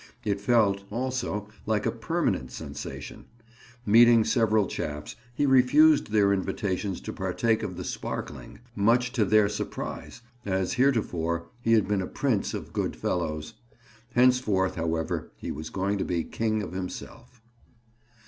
It felt, also, like a permanent sensation. Meeting several chaps, he refused their invitations to partake of the sparkling, much to their surprise, as heretofore he had been a prince of good fellows. Henceforth, however, he was going to be king of himself.